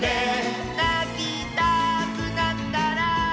「なきたくなったら」